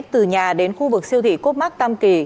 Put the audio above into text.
từ nhà đến khu vực siêu thị cốt mắc tam kỳ